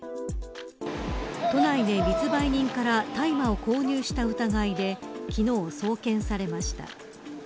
都内で密売人から大麻を購入した疑いで昨日送検されました。